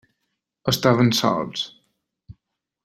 Estaven sols.